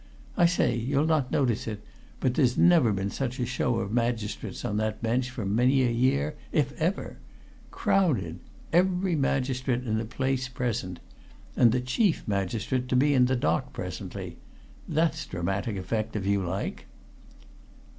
I say, you'll not notice it, but there's never been such a show of magistrates on that bench for many a year, if ever. Crowded! every magistrate in the place present. And the chief magistrate to be in the dock presently! That's dramatic effect, if you like!"